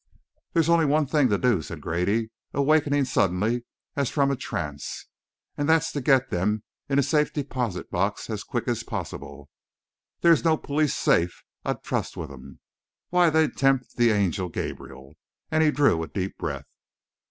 "There's only one thing to do," said Grady, awaking suddenly as from a trance, "and that's to get them in a safe deposit box as quick as possible. There's no police safe I'd trust with 'em! Why, they'd tempt the angel Gabriel!" and he drew a deep breath.